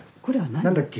何だっけ？